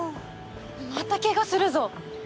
またケガするぞ。